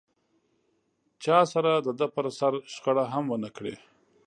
چا سره دده پر سر شخړه هم و نه کړي.